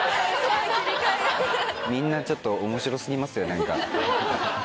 みんなちょっと面白過ぎますよ。